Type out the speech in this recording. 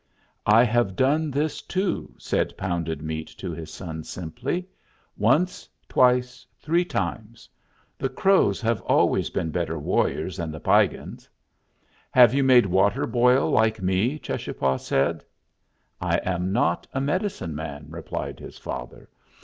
"I have done this too," said Pounded Meat to his son, simply. "Once, twice, three times. The Crows have always been better warriors than the Piegans." "Have you made water boil like me?" Cheschapah said. "I am not a medicine man," replied his father.